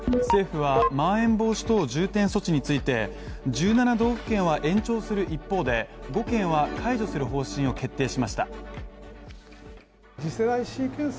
政府はまん延防止等重点措置について１７道府県は延長する一方で、５県は解除する方針を決定しました。